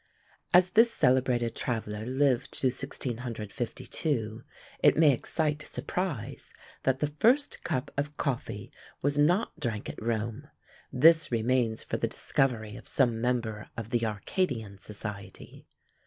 As this celebrated traveller lived to 1652, it may excite surprise that the first cup of coffee was not drank at Rome; this remains for the discovery of some member of the "Arcadian Society."